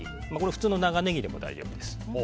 普通の長ネギでも大丈夫です。